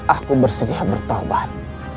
aku bersedia bertobat